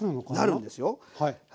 なるんですよ。